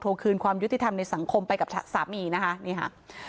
โทรคืนความยุติธรรมในสังคมไปกับสามีนะคะ